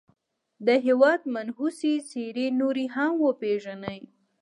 د هېواد منحوسي څېرې نورې هم وپېژني.